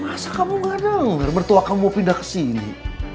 masa kamu gak denger mertua kamu mau pindah kesini